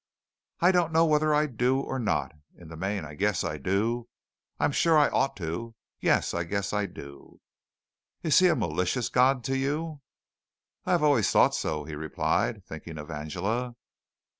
"I don't know whether I do or not. In the main, I guess I do. I'm sure I ought to. Yes, I guess I do." "Is He a malicious God to you?" "I have always thought so," he replied, thinking of Angela.